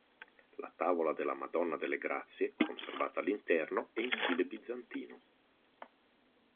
La Tavola della Madonna delle Grazie, conservata all'interno, è in stile bizantino.